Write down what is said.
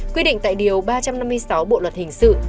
quy định tại điều ba trăm năm mươi sáu bộ luật hình sự